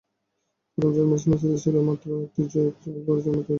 প্রথম চার ম্যাচে মেসিদের ছিল মাত্র একটি জয়, গোল করেছিল মাত্র দুইটি।